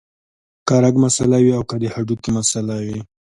کۀ رګ مسئله وي او کۀ د هډوکي مسئله وي